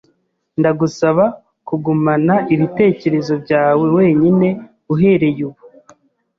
Ndagusaba kugumana ibitekerezo byawe wenyine uhereye ubu.